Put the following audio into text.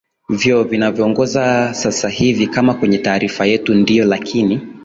vyo vinaongoza sasa hivi kama kwenye taarifa yetu ndio lakini